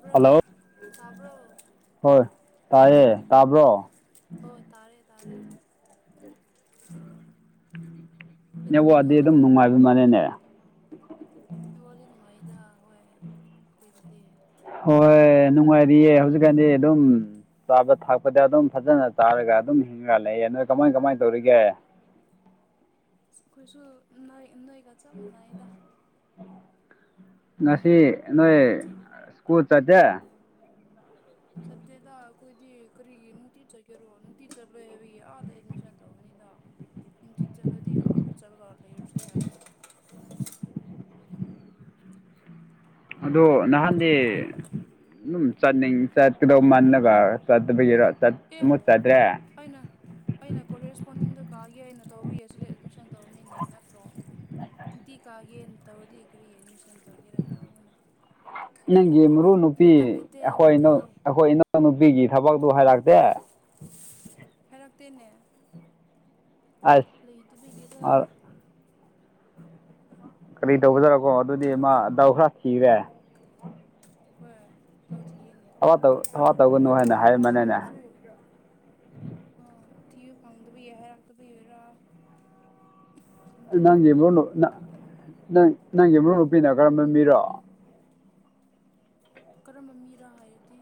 Bro hello ꯇꯥꯕ꯭ꯔꯣ ꯍꯣꯏ ꯇꯥꯏꯌꯦ ꯇꯥꯕ꯭ꯔꯣ ꯑꯣ ꯇꯥꯔꯦ ꯇꯥꯔꯦ ꯀꯩꯗꯧꯔꯤꯅꯣ ꯅꯦꯠꯋꯥꯛꯗꯤ ꯑꯗꯨꯝ ꯅꯨꯡꯉꯥꯏꯕ ꯃꯥꯅꯦꯅꯦ ꯅꯦꯠꯋꯥꯛꯗꯤ ꯅꯨꯡꯉꯥꯏꯌꯦꯗ ꯍꯣꯏ ꯑꯈꯣꯏꯗꯗꯤ ꯍꯣꯏ ꯅꯨꯡꯉꯥꯏꯔꯤꯌꯦ ꯍꯧꯖꯤꯛꯀꯥꯟꯗꯤ ꯑꯗꯨꯝ ꯆꯥꯕ ꯊꯥꯛꯄꯗꯤ ꯑꯗꯨꯝ ꯐꯖꯅꯥ ꯆꯥꯔꯒ ꯑꯗꯨꯝ ꯍꯤꯡꯔꯒ ꯂꯩꯌꯦ ꯅꯣꯏ ꯀꯃꯥꯏ ꯀꯃꯥꯏ ꯇꯧꯔꯤꯒꯦ ꯑꯁ ꯑꯈꯣꯏꯁꯨ ꯅꯣꯏ ꯅꯣꯏꯒ ꯆꯞ ꯃꯥꯅꯩꯌꯦꯗ ꯉꯁꯤ ꯅꯣꯏ ꯁ꯭ꯀꯨꯜ ꯆꯠꯇꯦ ꯆꯠꯇꯦꯗ ꯑꯩꯈꯣꯏꯗꯤ ꯀꯔꯤꯒꯤ ꯅꯨꯡꯇꯤ ꯆꯠꯀꯦꯔꯣ ꯅꯨꯡꯇꯤ ꯆꯠꯂꯣꯏ ꯍꯥꯏꯕꯒꯤ ꯑꯥꯗ ꯑꯦꯠꯃꯤꯁꯟ ꯇꯧꯕꯅꯤꯗ ꯅꯨꯡꯇꯤ ꯆꯠꯂꯗꯤ ꯑꯥ ꯆꯠꯂꯒ ꯂꯩꯔꯁꯨ ꯌꯥꯏ ꯑꯗꯣ ꯅꯍꯥꯟꯗꯤ ꯆꯨꯝꯗ꯭ꯔꯣ ꯑꯗꯨꯝ ꯆꯠꯅꯤꯡ ꯆꯠꯀꯗꯧ ꯃꯟꯅꯕꯥ ꯆꯠꯇꯕꯒꯤꯔ ꯇꯠ ꯑꯦ ꯑꯃꯨꯠ ꯆꯠꯇ꯭ꯔꯦ ꯑꯩꯅ ꯑꯩꯅ ꯀꯣꯂꯦꯖ ꯏꯁ꯭ꯄꯣꯅꯤꯡꯗ ꯀꯥꯒꯦ ꯍꯩꯅ ꯇꯧꯕꯒꯤ ꯑꯁꯤꯗ ꯑꯦꯠꯃꯤꯁꯟ ꯇꯧꯕꯅꯤꯅꯦ ꯅꯠꯇ꯭ꯔꯣ ꯅꯨꯡꯇꯤ ꯀꯥꯒꯦꯅ ꯇꯧꯔꯗꯤ ꯀꯔꯤ ꯑꯦꯠꯃꯤꯁꯟ ꯇꯧꯒꯦꯔ ꯅꯧꯕꯅ ꯅꯪꯒꯤ ꯃꯔꯨ ꯅꯨꯨꯄꯤ ꯃꯇꯝ ꯂꯩꯇꯦ ꯑꯩꯈꯣꯏ ꯑꯩꯈꯣꯏꯗꯤ ꯅꯨ ꯑꯩꯈꯣꯏ ꯏꯅꯥꯎꯅꯨꯄꯤꯒꯤ ꯊꯕꯛꯇꯨ ꯍꯥꯏꯔꯛꯇꯦ ꯍꯥꯏꯔꯛꯇꯦꯅꯦ ꯑꯁ ꯂꯩꯇꯕꯒꯤꯔꯥ ꯀꯔꯤ ꯇꯧꯕꯖꯔꯀꯣ ꯑꯗꯨꯗꯤ ꯃꯥ ꯗꯥꯎ ꯈꯔ ꯊꯤꯔꯦ ꯍꯣꯏ ꯇꯧ ꯊꯤꯌꯦꯅꯦ ꯊꯋꯥ ꯇꯧ ꯊꯋꯥ ꯇꯧꯒꯅꯨ ꯍꯥꯏꯔꯛ ꯃꯥ ꯍꯥꯏꯅ ꯃꯥ ꯍꯥꯏꯔꯝꯕꯅꯤꯅꯦ [inaudible] ꯍꯣ ꯊꯤꯌꯨ ꯐꯪꯗꯕꯒꯤ ꯍꯥꯏꯔꯛꯇꯕꯒꯤꯔꯥ ꯈꯪꯗꯦꯅꯦ ꯅꯪꯒꯤ ꯃꯔꯨꯞꯅꯨꯞ ꯅ ꯅꯪ ꯅꯪꯒꯤ ꯃꯔꯨꯞ ꯅꯨꯄꯤꯅ ꯀꯔꯝꯕ ꯃꯤꯔꯣ ꯀꯔꯝꯕ ꯃꯤꯔꫭ ꯍꯥꯏꯔꯗꯤ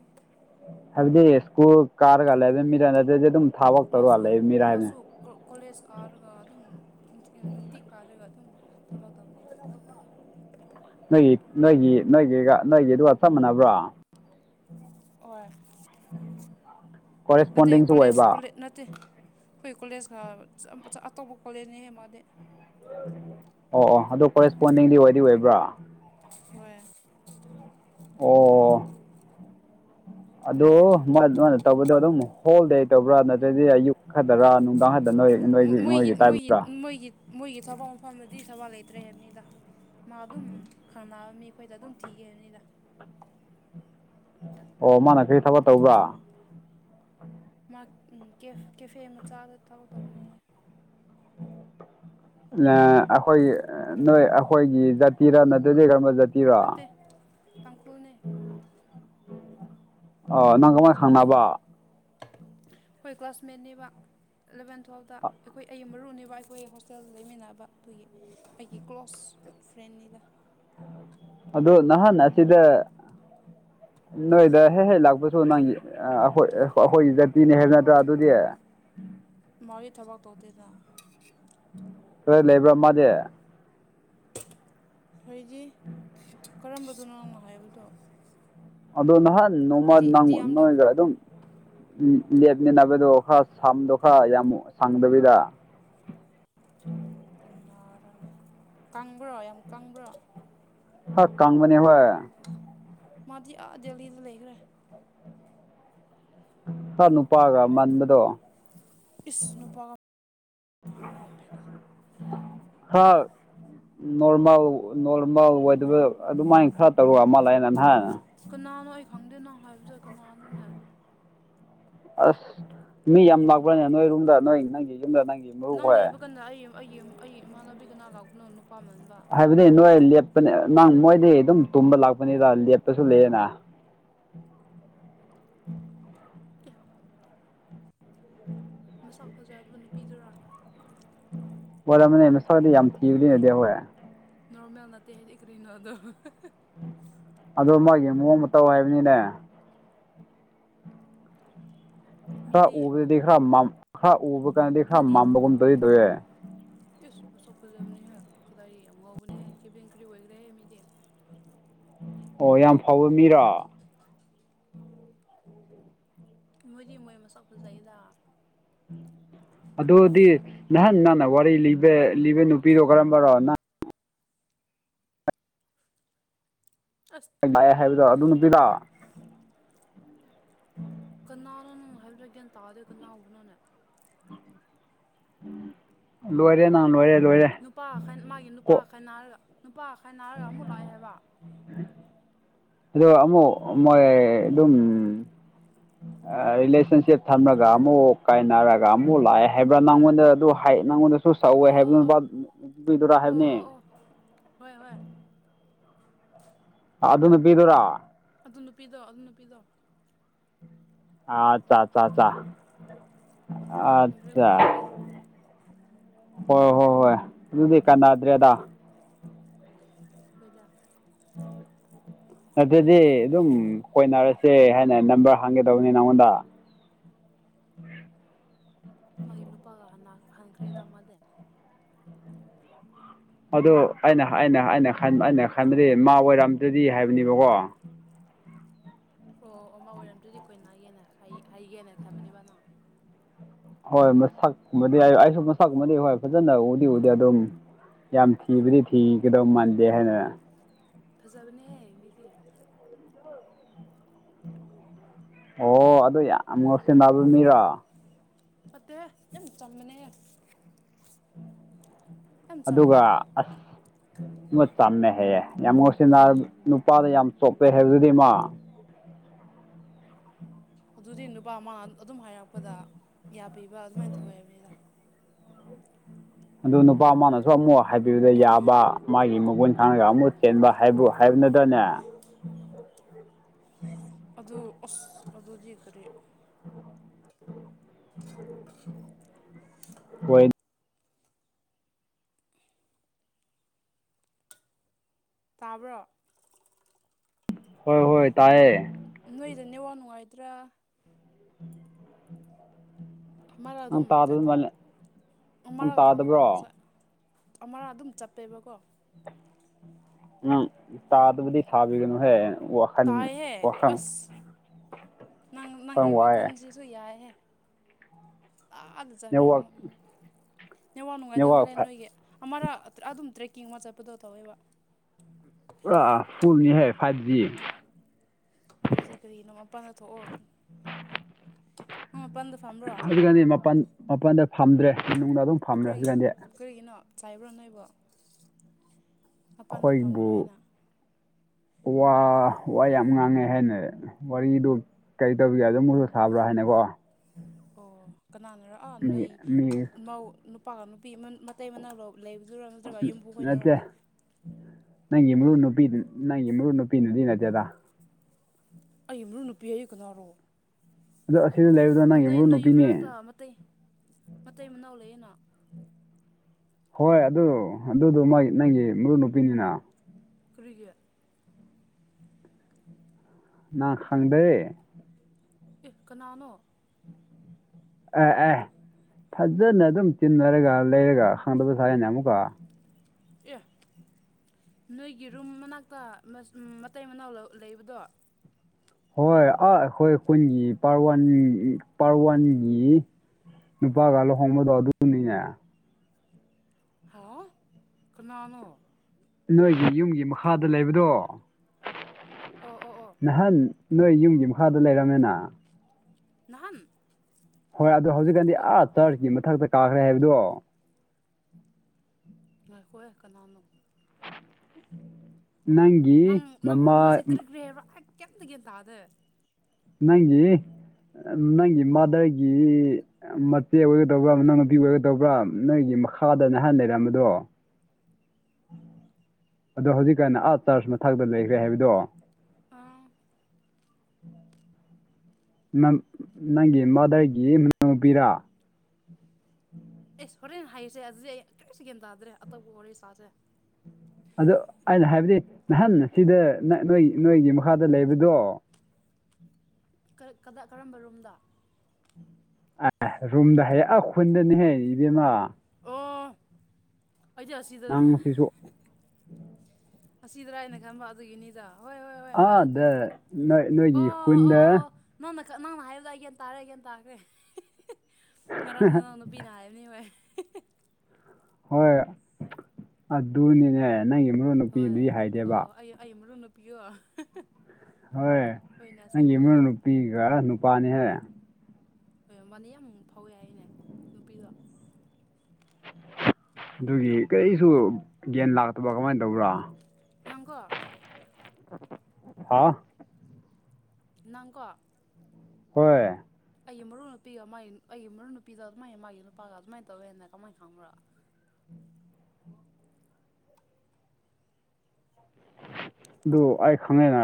ꯍꯥꯏꯕꯗꯤ ꯁ꯭ꯀꯨꯜ ꯀꯥꯔꯒ ꯂꯩꯕ ꯃꯤꯔꯥ ꯅꯠꯇꯗꯤ ꯑꯗꯨꯝ ꯊꯕꯛ ꯃꯥꯁꯨ ꯇꯧꯔꯒ ꯂꯩꯕ ꯃꯤꯔꯥ ꯍꯥꯏꯕꯅꯦ ꯃꯥꯁꯨ ꯀꯣ ꯀꯣꯂꯦꯖ ꯀꯥꯔꯒ ꯑꯗꯨꯝ ꯅꯨꯡꯇꯤ ꯑꯥ ꯅꯨꯡꯇꯤ ꯀꯥꯗꯔꯒ ꯑꯗꯨꯝ ꯊꯕꯛ ꯇꯧꯅꯤꯗ ꯅꯣꯏꯒꯤ ꯅꯣꯏꯒꯤ ꯅꯣꯏꯒꯤꯒ ꯅꯣꯏꯒꯤ ꯑꯗꯨꯒ ꯆꯞ ꯃꯥꯟꯅꯕ꯭ꯔꯣ ꯍꯣꯏ ꯅꯠꯇꯦ ꯀꯣꯔꯦꯁꯄꯣꯟꯗꯤꯡꯁꯨ ꯀꯣꯂꯦꯖ ꯑꯣꯏꯕ ꯀꯣꯂꯦ ꯅꯠꯇꯦ ꯈꯣꯏ ꯀꯣꯂꯦꯖ ꯀꯥꯕ ꯆꯥ ꯑꯆꯥ ꯑꯇꯣꯞꯄ ꯀꯣꯂꯦꯖꯅꯦꯍꯦ ꯃꯥꯗꯤ ꯑꯣ ꯑꯣ ꯑꯗꯣ ꯀꯣꯔꯦꯁꯄꯣꯟꯗꯤꯡꯗꯤ ꯑꯣꯏꯗꯤ ꯑꯣꯏꯕ꯭ꯔꯥ? ꯍꯣꯏ ꯑꯣ ꯑꯗꯣ ꯃꯥꯟ ꯃꯥꯅ ꯇꯧꯕꯗꯣ ꯑꯗꯨꯝ ꯍꯣꯜ ꯗꯦ ꯇꯧꯕ꯭ꯔꯥ ꯅꯠꯇ꯭ꯔꯗꯤ ꯑꯌꯨꯛ ꯈꯛꯇꯔꯥ ꯅꯨꯡꯗꯥꯡ ꯈꯠꯗ ꯅꯣꯏ ꯃꯣ ꯅꯣꯏꯒꯤ ꯃꯣꯏꯒꯤ ꯅꯣꯏꯒꯤ ꯃꯣꯏꯒꯤ ꯇꯥꯏꯞꯇꯔꯥ ꯃꯣꯏꯒꯤ ꯃꯣꯏꯒꯤ ꯊꯥꯕꯛ ꯃꯐꯝꯗꯗꯤ ꯊꯕꯛ ꯂꯩꯇ꯭ꯔꯦ ꯍꯥꯏꯕꯅꯤꯗ꯫ ꯃꯥ ꯑꯗꯨꯝ ꯈꯪꯅꯕ ꯃꯤ ꯈꯣꯏꯗ ꯑꯗꯨꯝ ꯊꯤꯒꯦ ꯍꯥꯏꯝꯅꯤꯗ꯫ ꯑꯣ ꯃꯥꯅ ꯀꯔꯤ ꯊꯕꯛ ꯇꯧꯕ꯭ꯔꯥ? ꯃꯥ ꯎꯝ ꯀꯦꯐ ꯀꯦꯐꯦ ꯃꯆꯥꯗ ꯊꯕꯛ ꯇꯧꯕꯅꯦ꯫ ꯅꯥ ꯑꯩꯈꯣꯏꯒꯤ ꯑꯥ ꯅꯣꯏ ꯑꯩꯈꯣꯏꯒꯤ ꯖꯥꯇꯤꯔꯥ ꯅꯠꯇ꯭ꯔꯗꯤ ꯀꯔꯝꯕ ꯖꯥꯠ ꯅꯠꯇꯦ ꯇꯥꯡꯈꯨꯜꯅꯦ꯫ ꯑ ꯅꯪ ꯀꯃꯥꯏ ꯑꯩꯈꯣꯏ ꯖꯥꯇꯤ ꯈꯪꯅꯕ꯫ ꯅꯠꯇꯦ ꯑꯩꯈꯣꯏ ꯀ꯭ꯂꯥꯁꯃꯦꯠꯅꯦꯕ꯫ ꯑꯦꯂꯕꯦꯟ ꯇꯨꯌꯦꯞꯇ ꯑꯩꯈꯣꯏ ꯑꯩ ꯃꯔꯨꯅꯤꯕ ꯑꯩꯈꯣꯏ ꯍꯣꯁꯇꯦꯜꯗ ꯂꯩꯃꯤꯟꯅꯕ ꯑꯗꯨꯒꯤ꯫ ꯑꯩꯒꯤ ꯀ꯭ꯂꯣꯁ ꯐ꯭ꯔꯦꯟꯅꯤꯗ꯫ ꯑꯗꯣ ꯅꯍꯥꯟ ꯑꯁꯤꯗ ꯅꯣꯏꯗ ꯍꯦꯛ ꯍꯦꯛ ꯂꯥꯛꯄꯁꯨ ꯅꯪꯒꯤ ꯑ ꯑꯩꯈꯣꯏ ꯑꯩꯈꯣꯏ ꯖꯥꯇꯤꯅꯦ ꯍꯥꯏꯕ ꯅꯠꯇ꯭ꯔꯥ ꯑꯗꯨꯗꯤ꯫ ꯃꯥꯗꯤ ꯊꯕꯛ ꯇꯧꯗꯦꯗꯅ꯫ ꯀꯗꯥꯏ ꯂꯩꯕ꯭ꯔ ꯃꯥꯗꯤ꯫ ꯍꯥꯏꯗꯤ ꯀꯔꯝꯕꯗꯅꯣ ꯅꯪꯅ ꯍꯥꯏꯕꯗꯣ? ꯑꯗꯣ ꯅꯍꯥꯟ ꯅꯣꯡꯃ ꯗꯤ ꯅꯪ ꯗꯤ ꯑꯦꯝꯗ ꯅꯣꯏꯗ ꯑꯗꯨꯝ ꯎꯝ ꯂꯦꯞꯃꯤꯟꯅꯕꯗꯣ ꯈꯔ ꯁꯝꯗꯣ ꯈꯔ ꯌꯥꯝ ꯁꯪꯗꯕꯤꯗ꯫ ꯀꯟꯅꯔꯅꯦ ꯀꯪꯕ꯭ꯔꯣ ꯌꯥꯝ ꯀꯪꯕ꯭ꯔꯣ? ꯈꯔ ꯀꯪꯕꯅꯦꯕ ꯍꯣꯏ ꯃꯥꯗꯤ ꯑꯥ ꯗꯦꯜꯂꯤꯗ ꯂꯩꯈ꯭ꯔꯦ꯫ ꯈꯔ ꯅꯨꯄꯥꯒ ꯃꯥꯟꯕꯗꯣ꯫ ꯏꯁ ꯅꯨꯄꯥ ꯃꯥꯟꯕ ꯈꯪꯗꯦꯗ꯫ ꯍꯥ ꯅꯣꯔꯃꯦꯜ ꯅꯣꯔꯃꯦꯜ ꯑꯣꯏꯗꯕ ꯑꯗꯨꯃꯥꯏꯅ ꯈꯔ ꯇꯧꯔꯒ ꯃꯥꯂꯦ ꯅꯍꯟ ꯀꯅꯥꯅꯣ ꯑꯩ ꯈꯪꯗꯦ ꯅꯪ ꯍꯥꯏꯕꯗꯣ ꯀꯅꯥꯅꯣꯅꯦ꯫ ꯑꯁ ꯃꯤ ꯌꯥꯝ ꯂꯥꯛꯄ꯭ꯔꯅꯦ ꯅꯣꯏ ꯔꯨꯝꯗ ꯅꯣꯏ ꯅꯪꯒꯤ ꯌꯨꯝꯗ ꯅꯪꯒꯤ ꯅꯪ ꯃꯔꯨꯞꯈꯣꯏ ꯂꯩꯕ ꯀꯥꯟꯗ ꯑꯩ ꯑꯩꯒꯤ ꯑꯩꯒꯤ ꯏꯃꯥꯟꯅꯕꯤ ꯀꯅꯥ ꯂꯥꯛꯄꯅꯣ ꯅꯨꯄꯥ ꯃꯟꯕ꯫ ꯍꯥꯏꯕꯗꯤ ꯅꯣꯏ ꯂꯦꯞꯄꯅꯦ ꯅꯪ ꯃꯣꯏꯗꯤ ꯑꯗꯨꯝ ꯇꯨꯝꯕ ꯂꯥꯛꯄꯅꯤꯗ ꯂꯦꯞꯄꯁꯨ ꯂꯩꯌꯦꯅ꯫ ꯑꯦ [inaudible] ꯁꯛ ꯐꯖꯕ ꯅꯨꯄꯤꯗꯨꯔꯣ꯫ ꯑꯣꯏꯔꯝꯃꯅꯤ ꯃꯁꯥꯛꯗꯤ ꯌꯥꯝ ꯊꯤꯕꯗꯤ ꯅꯠꯇꯦ ꯍꯣꯏ꯫ ꯅꯣꯔꯃꯦꯜ ꯅꯠꯇꯦ ꯍꯥꯏꯗꯤ ꯀꯔꯤꯅꯣ ꯑꯗꯨ ꯑꯗꯨ ꯃꯥꯒꯤ ꯃꯑꯣꯡ ꯃꯇꯧ ꯍꯥꯏꯕꯅꯤꯅꯦ꯫ ꯈꯔ ꯃꯤꯗꯤ ꯎꯕꯗꯗꯤ ꯈꯔ ꯃꯥꯝ ꯈꯔ ꯎꯕꯀꯟꯗꯗꯤ ꯃꯤꯗꯤ ꯃꯥꯝꯕꯒꯨꯝ ꯇꯧꯋꯤꯗꯔꯦ꯫ ꯏꯁ ꯃꯁꯛ ꯐꯖꯕꯅꯦꯍꯦ ꯈꯣꯏꯗꯩ ꯌꯥꯝ ꯉꯥꯎꯕꯅꯦꯍꯦ ꯀꯦꯕꯤꯟ ꯀ꯭ꯔꯤꯋꯨ ꯑꯣꯏꯈ꯭ꯔꯦ ꯃꯤꯗꯤ꯫ ꯑꯣ ꯌꯥꯝ ꯐꯕ ꯃꯤꯔꯣ꯫ ꯃꯣꯏꯗꯤ ꯃꯣꯏ ꯃꯁꯛ ꯐꯖꯩꯗ꯫ ꯑꯗꯨꯗꯤ ꯅꯍꯥꯟ ꯅꯪꯅ ꯋꯥꯔꯤ ꯂꯤꯕꯦ ꯂꯤꯕ ꯅꯨꯄꯤꯗꯣ ꯀꯔꯝꯕꯔꯣ? ꯑꯁ ꯂꯥꯛꯑꯦ ꯍꯥꯏꯕꯗꯣ ꯑꯗꯨ ꯅꯨꯄꯤꯗꯣ ꯀꯅꯥꯅꯣ ꯅꯪ ꯍꯥꯏꯕꯗꯣ ꯑꯩ ꯒꯤꯌꯥꯟ ꯇꯥꯗꯦ ꯀꯅꯥꯕꯨꯅꯣꯅꯦ? ꯂꯣꯏꯔꯦ ꯅ ꯂꯣꯏꯔꯦ ꯂꯣꯏꯔꯦ ꯅꯨꯄꯥ ꯈꯥꯏ ꯃꯥꯒꯤ ꯅꯨꯄꯥ ꯀꯣ ꯈꯥꯏ ꯅꯥꯔꯒ ꯅꯨꯄꯥ ꯈꯥꯏ ꯅꯥꯔꯒ ꯑꯃꯨꯛ ꯂꯥꯛꯑꯦ ꯍꯥꯏꯕ [inaudible] ꯑꯗꯣ ꯑꯃꯨꯛ ꯃꯣꯏ ꯑꯗꯨꯝ ꯑꯥ ꯔꯤꯂꯦꯁꯟꯁꯤꯞ ꯊꯝꯃꯒ ꯑꯃꯨꯛ ꯀꯥꯏꯅꯔꯒ ꯑꯃꯨꯛ ꯂꯥꯛꯑꯦ ꯍꯥꯏꯕ꯭ꯔꯥ ꯅꯪꯉꯣꯟꯗ ꯑꯗꯨ ꯍꯥꯏ ꯅꯪꯉꯣꯟꯗ [unintelligible] ꯁꯧꯋꯦ ꯑꯣ ꯍꯥꯏꯕ ꯑꯣ ꯅꯨꯕ ꯑꯗꯨ ꯗꯨꯔ ꯑꯣ ꯍꯥꯏꯕꯅꯦ ꯑꯣ ꯑꯣ ꯍꯣꯏ ꯍꯣꯏ ꯑꯥ ꯑꯗꯨ ꯅꯨꯄꯤꯗꯨꯔꯣ ꯑꯗꯨ ꯅꯨꯄꯤꯗꯣ ꯑꯗꯨ ꯅꯨꯄꯤꯗꯣ ꯑꯠꯆꯥ ꯑꯆꯥ ꯑꯆꯥ ꯈꯪꯈ꯭ꯔꯦꯀꯣ ꯑꯠꯆꯥ ꯍꯧꯖꯤꯛꯇꯤ ꯍꯣꯏ ꯍꯣꯏ ꯍꯣꯏ ꯑꯗꯨꯗꯤ ꯀꯥꯟꯅꯗ꯭ꯔꯦꯗ ꯍꯣꯏꯗ ꯑꯗꯨꯗꯤ ꯍꯥꯏꯕꯗꯤ ꯑꯗꯨꯝ ꯀꯣꯏꯅꯔꯁꯦ ꯍꯥꯏꯅ ꯅꯝꯕꯔ ꯍꯪꯒꯦ ꯇꯧꯅꯦ ꯅꯪꯉꯣꯟꯗ ꯃꯥꯒꯤ ꯅꯨꯄꯥꯒ ꯍꯥꯅꯥ ꯍꯟꯈ꯭ꯔꯦꯗ ꯃꯥꯗꯤ ꯑꯗꯨ ꯑꯩꯅ ꯑꯩꯅ ꯑꯩꯅ ꯈꯥꯟ ꯑꯩꯅ ꯈꯟꯕꯗꯤ ꯃꯥ ꯑꯣꯏꯔꯝꯗ꯭ꯔꯗꯤ ꯍꯥꯏꯕꯅꯦꯕꯀꯣ ꯑꯣ ꯑꯃꯥ ꯑꯣꯏꯔꯝꯗ꯭ꯔꯗꯤ ꯀꯣꯏ ꯅꯒꯦꯅ ꯍꯥꯏꯒꯦꯅ ꯈꯟꯕꯅꯦꯕ ꯅꯪ ꯍꯣꯏ ꯃꯁꯛꯀꯨꯝꯕꯗꯤ ꯑꯩꯁꯨ ꯃꯁꯛꯀꯨꯝꯕꯗꯤ ꯍꯣꯏ ꯐꯖꯅ ꯎꯗꯤ ꯎꯗꯦ ꯑꯗꯨꯝ ꯌꯥꯝ ꯊꯤꯕꯗꯤ ꯊꯤꯒꯗꯧ ꯃꯥꯟꯗꯦ ꯍꯥꯏꯅ ꯐꯖꯕꯅꯦꯍꯦ ꯃꯤꯗꯤ ꯑꯣ ꯑꯗꯣ ꯌꯥꯝ ꯉꯥꯎꯁꯟꯅꯕ ꯅꯨꯄꯥ ꯃꯤꯔꯣ ꯅꯠꯇꯦꯍꯦ ꯌꯥꯝ ꯆꯝꯃꯅꯦ ꯑꯗꯨꯒ ꯑꯁ ꯑꯃ ꯆꯝꯃꯦ ꯍꯥꯏꯌꯦ ꯌꯥꯝ ꯉꯥꯎꯁꯟꯅꯦꯜ ꯅꯨꯄꯥꯗ ꯌꯥꯝ ꯆꯣꯛꯄꯦ ꯍꯥꯏꯕꯗꯨꯗꯤ ꯃꯥ ꯑꯗꯨꯗꯤ ꯅꯨꯄꯥ ꯑꯃ ꯑꯗꯨꯝ ꯍꯥꯏꯔꯛꯄꯗ ꯌꯥꯕꯤꯕ ꯑꯗꯨꯃꯥꯏꯅ ꯇꯧꯋꯦ ꯍꯥꯏꯕꯅꯤꯗ ꯑꯗꯨ ꯅꯨꯄꯥ ꯃꯥꯅꯁꯨ ꯑꯃꯨꯛ ꯍꯥꯏꯕꯤꯕꯗ ꯌꯥꯕ ꯃꯥꯒꯤ ꯃꯒꯨꯟ ꯈꯥꯡꯉꯒ ꯑꯃꯨꯛ ꯆꯦꯟꯕ ꯍꯥꯏꯕꯨ ꯍꯥꯏꯕꯅꯠꯇ꯭ꯔꯅꯦ ꯑꯗꯨ ꯑꯁ ꯑꯗꯨꯗꯤ ꯀꯔꯤ ꯍꯣꯏꯠ ꯇꯥꯕ꯭ꯔꯣ ꯍꯣꯏ ꯍꯣꯏ ꯇꯥꯏꯌꯦ ꯅꯣꯏꯗ ꯅꯦꯛꯋꯥ ꯅꯨꯡꯉꯥꯏꯇ꯭ꯔꯥ ꯃꯥꯅ ꯅꯪ ꯑꯗꯨꯝ ꯇꯥꯗꯕ ꯀꯩꯅꯣ ꯃꯥꯜꯂꯦ ꯅꯪ ꯃꯥꯅ ꯇꯥꯗꯕ ꯇꯥꯗꯕ꯭ꯔꯣ ꯉꯁꯥꯏ ꯑꯃꯔꯥ ꯑꯗꯨꯝ ꯆꯠꯄꯦꯕꯀꯣ ꯅꯪ ꯇꯥꯗꯕꯗꯤ ꯁꯥꯕꯤꯒꯅꯣ ꯍꯦ ꯋꯥ ꯇꯥꯏꯍꯦ ꯑꯁ ꯅꯪ ꯅꯪꯒꯤ ꯋꯥꯈꯜ ꯋꯥꯏꯌꯦ ꯋꯥꯈꯟꯁꯤ ꯁꯨ ꯌꯥꯏꯍꯦ ꯇꯥꯡꯅ ꯆꯟꯔꯥ ꯅꯦꯠꯋꯥꯛ ꯑꯃꯨꯛ ꯅꯦꯋꯥ ꯅꯨꯡꯉꯥꯏꯗꯧ ꯃꯥꯜꯂꯦ ꯅꯦꯠꯋꯥꯛ ꯅꯣꯏꯒꯤ ꯑꯃꯔ ꯑꯗꯨꯝ ꯇ꯭ꯔꯦꯛꯀꯤꯡ ꯑꯃ ꯆꯠꯄꯗꯣ ꯇꯧꯋꯦꯕ ꯑ ꯐꯨꯜꯅꯤꯍꯦ ꯐꯥꯏꯚꯖꯤ ꯑꯗꯨꯗꯤ ꯀꯔꯤꯅꯣ ꯃꯄꯥꯟꯗ ꯊꯣꯛꯑꯣ ꯍꯥ ꯃꯄꯟ ꯗ ꯊꯝ ꯍꯧꯖꯤꯛꯀꯥꯟꯗꯤ ꯃꯄꯜ ꯃꯄꯜꯗ ꯐꯝꯗ꯭ꯔꯦ ꯃꯅꯨꯡꯗ ꯑꯗꯨꯝ ꯐꯝꯔꯦ ꯀꯔꯤꯒꯤ ꯍꯧꯖꯤꯛꯀꯥꯟꯗꯤ ꯀꯔꯤꯒꯤꯅꯣ ꯆꯥꯏꯕ꯭ꯔꯥ ꯅꯣꯏꯕꯣ ꯃꯄꯥꯟꯗ ꯑꯩꯈꯣꯏꯕꯨ ꯐꯝꯒꯅꯣ ꯍꯥꯏꯅ ꯋꯥ ꯋꯥ ꯌꯥꯝ ꯉꯥꯡꯉꯦ ꯍꯥꯏꯅ ꯋꯥꯔꯤꯗꯨ ꯀꯩ ꯇꯧꯕꯤꯌꯨ ꯑꯗꯨꯝ ꯃꯣꯏꯒ ꯁꯥꯕ꯭ꯔꯥ ꯍꯥꯏꯅꯀꯣ ꯑꯣ ꯀꯅꯥꯅꯔꯥ ꯅꯣꯏ ꯃꯤ ꯃꯤ ꯃꯧ ꯅꯨꯄꯥꯒ ꯅꯨꯄꯤ ꯑꯃ ꯃꯇꯩ ꯃꯅꯥꯎ ꯔꯣ ꯂꯩꯕꯗꯨꯔ ꯎꯝ ꯅꯠꯇꯦ ꯅꯪꯒꯤ ꯃꯔꯨꯞ ꯅꯨꯄꯤꯗꯨ ꯅꯪꯒꯤ ꯃꯔꯨꯞ ꯅꯨꯄꯤꯅꯗꯤ ꯅꯠꯇꯦꯗ ꯑꯩꯒꯤ ꯃꯔꯨꯞ ꯅꯨꯄꯤ ꯑꯩ ꯀꯅꯥꯔꯣ ꯑꯗꯣ ꯑꯁꯤꯗ ꯂꯩ ꯅꯣꯏ ꯅꯣꯏ ꯌꯨꯝ ꯃꯅꯥꯛꯇ ꯃꯇꯩ ꯃꯇꯩ ꯃꯅꯥꯎ ꯂꯩꯌꯦꯅ ꯍꯣꯏ ꯑꯗꯨ ꯑꯗꯨꯗꯣ ꯃꯣꯏ ꯅꯪꯒꯤ ꯃꯔꯨꯞ ꯅꯨꯄꯤꯅꯤꯅ ꯀꯔꯤꯒꯤ ꯅꯥ ꯈꯪꯗꯦ ꯑꯦ ꯀꯅꯥꯅꯣ ꯑꯦ ꯑꯦ ꯐꯖꯅ ꯑꯗꯨꯝ ꯇꯤꯟꯅꯔꯒ ꯂꯩꯔꯒ ꯈꯪꯗꯕ ꯁꯥꯏꯅꯦ ꯑꯃꯨꯛꯀ ꯑꯦ ꯅꯣꯏꯒꯤ ꯔꯨꯝ ꯃꯅꯥꯛꯇ ꯃꯁ ꯎꯝ ꯃꯇꯩ ꯃꯅꯥꯎ ꯂꯧ ꯂꯩꯕꯗꯣ ꯍꯣꯏ ꯑꯥ ꯑꯈꯣꯏ ꯈꯨꯟꯒꯤ ꯄꯥꯔ ꯋꯥꯟ ꯌꯤ ꯏ ꯄꯥꯔ ꯋꯥꯟꯒꯤ ꯅꯨꯄꯥꯒ ꯂꯨꯍꯣꯡꯕꯗꯣ ꯑꯗꯨꯗꯨꯅꯤꯅꯦ ꯍꯥ ꯀꯅꯥꯅꯣ ꯅꯣꯏꯒꯤ ꯌꯨꯝꯒꯤ ꯃꯈꯥꯗ ꯂꯩꯕꯗꯣ ꯑꯣ ꯑꯣ ꯑꯣ ꯅꯍꯥꯟ ꯅꯣꯏ ꯌꯨꯝꯒꯤ ꯃꯈꯥꯗ ꯂꯩꯔꯝꯃꯦꯅ ꯅꯍꯥꯟ ꯍꯣꯏ ꯑꯣ ꯍꯧꯖꯤꯛꯀꯥꯟꯗꯤ ꯍꯣꯏ ꯑꯥ ꯆ꯭ꯔꯆꯀꯤ ꯃꯊꯛꯇ ꯀꯥꯈ꯭ꯔꯦ ꯍꯥꯏꯕꯗꯣ ꯉꯥꯏꯈꯣꯍꯦ ꯀꯅꯥꯅꯣ ꯅꯪ ꯅꯪ ꯅꯪ [unintelligible] ꯀꯔꯤ ꯀꯔꯤ ꯍꯥꯏꯕ꯭ꯔꯥ ꯑꯩ ꯀꯩꯝꯇ ꯒ꯭ꯌꯥꯟ ꯇꯥꯗꯦ ꯅꯪꯒꯤ ꯅꯪꯒꯤ ꯃꯥꯗ꯭ꯔꯒꯤ ꯃꯆꯦ ꯑꯣꯏꯒꯗꯧꯕ꯭ꯔꯥ ꯃꯅꯥꯎ ꯅꯨꯨꯄꯤ ꯑꯣꯏꯒꯗꯧꯕ꯭ꯔꯥ ꯅꯪꯒꯤ ꯃꯈꯥꯗ ꯅꯍꯥꯟ ꯂꯩꯔꯝꯕꯗꯣ ꯑꯗꯣ ꯍꯧꯖꯤꯛꯀꯥꯟ ꯑꯥ ꯆ꯭ꯔꯆ ꯃꯊꯛꯇ ꯂꯩꯒ꯭ꯔꯦ ꯍꯥꯏꯕꯗꯣ ꯑꯥ ꯅꯪ ꯅꯪꯒꯤ ꯃꯥꯗ꯭ꯔꯒꯤ ꯃꯅꯥꯎꯅꯨꯄꯤꯔ ꯏꯁ ꯍꯣꯔꯦꯟ ꯍꯥꯏꯁꯦ ꯑꯁꯤꯗꯤ ꯑꯩ ꯀꯔꯤꯁꯨ ꯒ꯭ꯌꯥꯟ ꯇꯥꯗ꯭ꯔꯦ ꯑꯇꯣꯞꯄ ꯋꯥꯔꯤ ꯁꯥꯥꯖꯦ ꯑꯗꯣ ꯑꯩꯅ ꯍꯥꯏꯕꯗꯤ ꯅꯍꯥꯟ ꯑꯁꯤꯗ ꯅ ꯅꯣꯏ ꯅꯣꯏꯒꯤ ꯃꯈꯥꯗ ꯂꯩꯕꯗꯣ ꯀ ꯀꯗꯥ ꯀꯔꯝꯕ ꯔꯨꯝꯗ ꯑꯦ ꯔꯨꯝꯗ ꯍꯥꯏꯌꯦ ꯑꯥ ꯈꯨꯟꯗꯅꯦꯍꯦ ꯏꯕꯦꯝꯃ ꯑꯣ ꯑꯩꯗꯤ ꯑꯁꯤꯗꯔꯥ ꯅꯪꯁꯤꯁꯨ ꯑꯁꯤꯗ꯭ꯔꯥ ꯍꯥꯏꯅ ꯈꯟꯕ ꯑꯗꯨꯒꯤꯅꯤꯗ ꯍꯣꯏ ꯍꯣꯏ ꯍꯣꯏ ꯍꯣꯏ ꯑꯥꯗ ꯅꯣꯏ [unintelligible] ꯑꯣ ꯅꯣꯏꯒꯤ ꯑꯣ ꯑꯣ ꯈꯨꯟꯗ ꯑꯣ ꯅꯪꯅ ꯈ ꯅꯪꯅ ꯍꯥꯏꯕꯗꯣ ꯑꯩ ꯒ꯭ꯌꯥꯟ ꯇꯥꯔꯦ ꯑꯩ ꯒ꯭ꯌꯥꯟ ꯇꯥꯈ꯭ꯔꯦ [unintelligible] ꯉꯔꯥꯡ ꯅꯅꯥꯎ ꯅꯨꯄꯤꯅ ꯍꯥꯏ ꯕꯅꯤ ꯍꯣꯏ [unintelligible] ꯍꯣꯏ ꯑꯗꯨꯅꯤꯅꯦ ꯅꯪꯒꯤ ꯃꯔꯨꯅ ꯍꯣꯏ ꯑꯣ ꯑꯩ ꯑꯩ ꯃꯔꯨꯞ ꯅ ꯄꯤꯌꯣ [unintelligible] ꯍꯣꯏ ꯅꯪꯒꯤ ꯃꯔꯨꯞ ꯅꯨꯄꯤꯒ ꯅꯨꯄꯥꯅꯦꯍꯦ ꯍꯣꯏ ꯃꯥꯗꯤ ꯌꯥꯝ ꯐꯥꯎꯋꯤ ꯍꯥꯏꯅꯦ ꯅꯨꯄꯤꯗꯣ ꯑꯗꯨꯒꯤ ꯀꯔꯤꯁꯨ ꯒ꯭ꯌꯥꯟ ꯂꯥꯛꯇꯕ ꯀꯃꯥꯏꯟ ꯇꯧꯕ꯭ꯔꯥ ꯅꯪꯀꯣ ꯍꯥ ꯅꯪꯀꯣ ꯍꯣꯏ ꯑꯩꯒꯤ ꯃꯔꯨꯞ ꯅꯨꯄꯤꯒ ꯃꯥꯏ ꯑꯩꯒꯤ ꯃꯔꯨ ꯅꯨꯄꯤꯒ ꯑꯗꯨ ꯃꯥꯏ ꯃꯥꯒꯤ ꯅꯨꯄꯥꯒ ꯑꯗꯨꯃꯥꯏꯅ ꯇꯧꯋꯦꯅ ꯀꯃꯥꯏ ꯈꯪꯕ꯭ꯔꯥ ꯑꯗꯨ ꯑꯩ ꯈꯪꯉꯦꯅ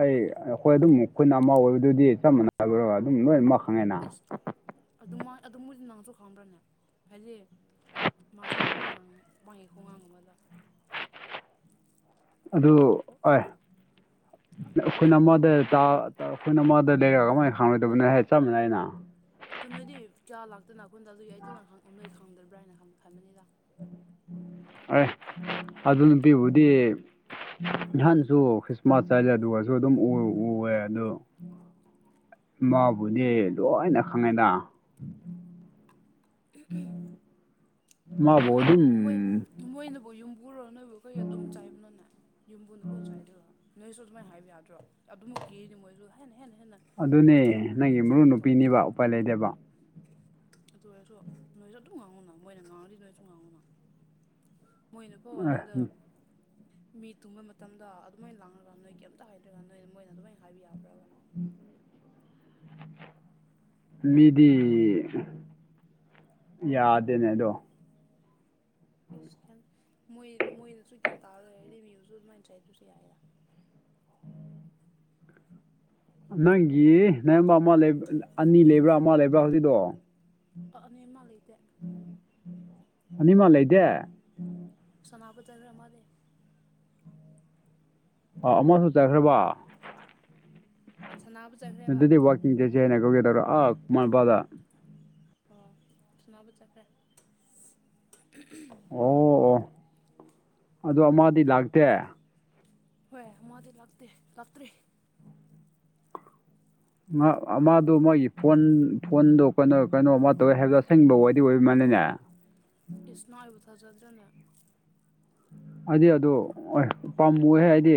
ꯑꯩ ꯑꯩꯈꯣꯏ ꯑꯗꯨꯝ ꯑꯈꯣꯏꯅꯥ ꯑꯃ ꯑꯣꯏꯕꯗꯨꯗꯤ ꯆꯞ ꯃꯅꯥꯕ꯭ꯔꯣ ꯅꯣꯏ ꯃꯈꯥ ꯏꯁ ꯑꯗꯨꯃꯥꯏ ꯑꯗꯨ ꯃꯣꯏꯗꯤ ꯅꯪꯁꯨ ꯈꯪꯕ꯭ꯔꯅꯦ ꯍꯥꯏꯗꯤ ꯃꯥꯁꯦ ꯑꯗꯨꯃꯥꯏꯟ ꯉꯪꯉꯦ ꯃꯣꯏ ꯈꯣꯡꯉꯥꯡ ꯑꯃꯗ ꯑꯗꯨ ꯑꯣꯏ ꯅꯥ ꯑꯈꯣꯏꯅ ꯑꯃꯗ ꯇꯥ ꯇꯥ ꯑꯈꯣꯏꯅ ꯑꯃꯗ ꯂꯩꯔꯒꯥ ꯃꯣꯏ ꯍꯥꯎꯔꯣꯏꯗꯕꯅꯦ ꯍꯥꯏ ꯆꯞ ꯃꯟꯅꯩꯅ ꯑꯗꯨ ꯅꯣꯏꯗꯤ ꯀꯌꯥ ꯂꯛꯇꯤ [unintelligible] ꯑꯩꯗꯤ ꯅꯍꯥ ꯑꯣ ꯅꯣꯏ ꯈꯪꯗꯕꯥ꯭ꯔ ꯍꯥꯏꯅꯥ ꯍꯪ ꯍꯪꯒꯅꯤꯗ ꯑꯦ ꯑꯗꯨ ꯅꯨꯄꯤꯕꯨꯗꯤ ꯅꯍꯥꯟꯁꯨ ꯈ꯭ꯔꯤꯁꯃꯥꯁ [unintelligible] ꯑꯗꯨꯒꯁꯨ ꯑꯗꯨꯝ ꯎ ꯎꯑꯦ ꯑꯗꯨ ꯃꯥꯕꯨꯅꯦ ꯂꯣꯏꯅ ꯈꯪꯉꯦꯗ [unintelligible] ꯃꯣꯏ ꯃꯥꯕꯨ ꯑꯥꯂꯨ ꯑꯗꯨꯝ ꯃꯣꯏ ꯃꯣꯏꯅꯕꯨ ꯌꯨꯝ ꯄꯨꯔꯣ ꯅꯣꯏꯕꯨ ꯑꯩꯈꯣꯏ ꯑꯗꯨꯝ ꯆꯥꯏꯕꯅꯣꯅꯦ ꯌꯨꯝꯕꯨꯅ ꯄꯣꯠ ꯆꯥꯏꯗꯣꯏꯔꯣ ꯅꯣꯏꯁꯨ ꯑꯗꯨꯃꯥꯏ ꯍꯥꯏꯕ ꯌꯥꯗ꯭ꯔꯣ ꯑꯗꯨꯃꯛꯀꯤꯅꯤ ꯃꯣꯏꯁꯨ ꯍꯦꯟꯅ ꯍꯦꯟꯅ ꯍꯦꯟꯅ ꯑꯗꯨꯅꯦ ꯅꯪꯒꯤ ꯃꯔꯨꯞ ꯆꯥꯏꯐꯝ ꯊꯣꯛꯄꯅꯤ ꯅꯨꯄꯤꯅꯤꯕ ꯎꯄꯥꯏ ꯂꯩꯗꯦꯕ ꯑꯗꯨ ꯑꯣꯏꯔꯁꯨ ꯅꯣꯏꯁꯨ ꯑꯗꯨꯝ ꯉꯥꯡꯉꯨꯅ ꯃꯣꯏꯅ ꯉꯥꯡꯉꯗꯤ ꯅꯣꯏꯁꯨ ꯉꯥꯡꯉꯨꯅ ꯃꯣꯏꯅ ꯀꯣ ꯑꯦ ꯑꯍꯤꯡꯗ ꯃꯤ ꯇꯨꯡꯕ ꯃꯇꯝꯗ ꯑꯗꯨꯃꯥꯏꯅ ꯂꯥꯡꯉꯒꯥꯟ ꯅꯣꯏ ꯀꯩꯝꯇ ꯍꯥꯏꯗ꯭ꯔꯒ ꯅꯣꯏ ꯃꯣꯏꯅ ꯑꯗꯨꯃꯥꯏꯅ ꯍꯥꯏꯕ ꯌꯥꯕ꯭ꯔꯕ [inaudible] ꯃꯤꯗꯤ ꯌꯥꯗꯦꯅꯦ ꯑꯗꯣ ꯏꯁ ꯌꯥꯝ ꯃꯣꯏ ꯃꯣꯏꯗꯁꯨ ꯒ꯭ꯌꯥꯟ [unintelligible] ꯑꯗꯨꯃꯥꯏ ꯆꯩꯗ꯭ꯔꯁꯨ ꯌꯥꯏꯌꯦ ꯅꯪꯒꯤ ꯅꯌꯥꯝꯕ ꯑꯃ ꯂꯩ ꯑꯅꯤ ꯂꯩꯕ꯭ꯔꯥ ꯑꯃ ꯂꯩꯕ꯭ꯔꯥ ꯍꯧꯖꯤꯛꯗꯣ ꯑ ꯑꯅꯤꯃꯛ ꯂꯩꯇꯦ ꯑꯅꯤꯃꯛ ꯂꯩꯗꯦ ꯁꯅꯥꯕ ꯆꯠꯂꯦ ꯑꯃꯥꯗꯤ ꯑ ꯑꯃꯁꯨ ꯆꯥꯏꯈ꯭ꯔꯕ ꯁꯥꯟꯅꯕ ꯆꯠꯈ꯭ꯔꯦꯕ ꯑꯗꯨꯗꯤ ꯋꯥꯛꯀꯤꯡ ꯆꯠꯁꯦ ꯍꯥꯏꯅ ꯀꯧꯒꯦ ꯇꯧꯔ ꯑꯥ ꯈꯨꯃ ꯄꯥꯗ ꯑꯣ ꯁꯅꯥꯕ ꯆꯠꯈ꯭ꯔꯦ ꯑꯣ ꯑꯣ ꯑꯗꯣ ꯑꯃꯗꯤ ꯂꯥꯛꯇꯦ ꯍꯣꯏ ꯑꯃꯥꯗꯤ ꯂꯥꯛꯇꯦ ꯂꯥꯛꯇ꯭ꯔꯤ ꯃ ꯃꯥꯗꯣ ꯃꯣꯏꯒꯤ ꯐꯣꯟ ꯐꯣꯟꯗꯣ ꯀꯩꯅꯣ ꯀꯩꯅꯣ ꯑꯃ ꯇꯧꯋꯦ ꯍꯥꯏꯕꯗꯣ ꯑꯁꯦꯡꯕ ꯋꯥꯔꯤ ꯑꯣꯏꯕ ꯃꯥꯜꯂꯦꯅꯦ ꯏꯁ ꯃꯥꯕꯨ ꯊꯥꯖꯗ꯭ꯔꯅꯦ ꯑꯩꯗꯤ ꯑꯗꯨ ꯑꯣꯏ ꯄꯥꯝꯃꯨꯍꯦ ꯑꯥꯏꯗꯤ